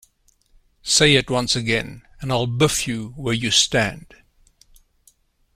Say it once again, and I'll biff you where you stand.